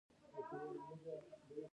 جلګه د افغانستان د سیاسي جغرافیه برخه ده.